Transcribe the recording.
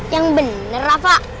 yang bener rafa